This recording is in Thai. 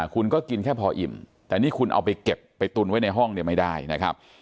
คุณก็กินแค่พออิ่มแต่นี่คุณเอาไปเก็บไปตุนไว้ในห้องเนี่ยไม่ได้นะครับ